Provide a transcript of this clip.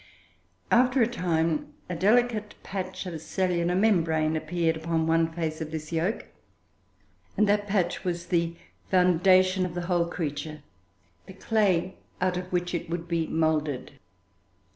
After a time, a delicate patch of cellular membrane appeared upon one face of this yolk, and that patch was the foundation of the whole creature, the clay out of which it would be moulded.